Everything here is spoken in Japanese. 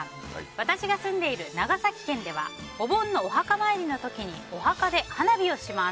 私が住んでいる長崎県ではお盆のお墓参りの時にお墓で花火をします。